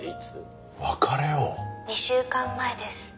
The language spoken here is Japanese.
「２週間前です」